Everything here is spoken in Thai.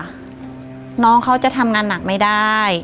น้องเขาจะทำงานหนักไม่ได้